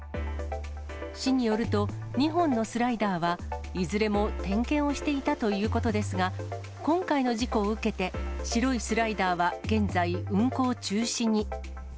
市によると、２本のスライダーはいずれも点検をしていたということですが、今回の事故を受けて、白いスライダーは現在、運行中止に。